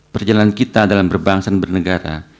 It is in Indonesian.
perjalanan kita dalam berbangsa dan bernegara